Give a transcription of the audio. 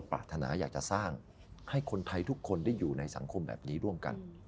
ปรารถนาอยากจะสร้างให้คนไทยทุกคนได้อยู่ในสังคมแบบนี้ร่วมกัน